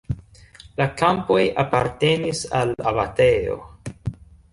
La kampoj apartenis al abatejo.